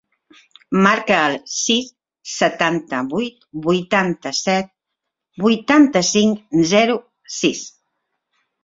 Marca el sis, setanta-vuit, vuitanta-set, vuitanta-cinc, zero, sis.